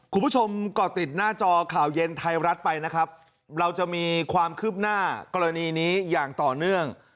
ก่อติดหน้าจอข่าวเย็นไทยรัฐไปนะครับเราจะมีความคืบหน้ากรณีนี้อย่างต่อเนื่อง